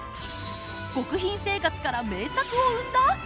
極貧生活から名作を生んだ！？